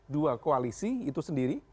dua koalisi itu sendiri